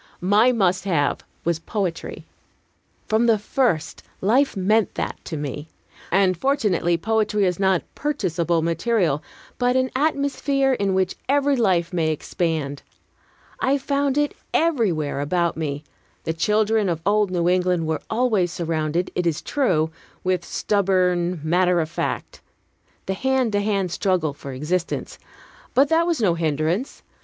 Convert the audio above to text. My "must have" was poetry. From the first, life meant that to me. And, fortunately, poetry is not purchasable material, but an atmosphere in which every life may expand. I found it everywhere about me. The children of old New England were always surrounded, it is true, with stubborn matter of fact, the hand to hand struggle for existence. But that was no hindrance.